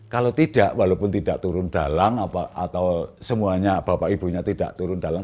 kalau tidak walaupun tidak turun dalang atau semuanya bapak ibunya tidak turun dalang